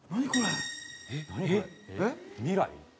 えっ？未来？